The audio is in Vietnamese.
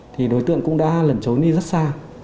thì đối tượng cũng đã lẩn trốn đi rất sạch